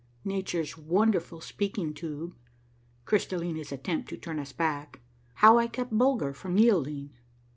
— NATURE'S WONDERFUL SPEAKING TUBE. — crystallina's attempt to turn us back. — HOW I KEPT BULGER FROM YIELDING.